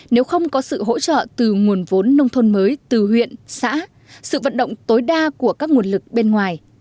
nếu không có sự hỗ trợ từ nguồn vốn nông thôn mới từ huyện xã sự vận động tối đa của các nguồn lực bên ngoài